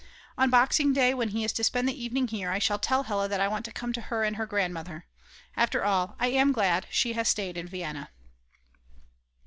On Boxing Day, when he is to spend the evening here, I shall tell Hella that I want to come to her and her grandmother. After all, I am glad she has stayed in Vienna.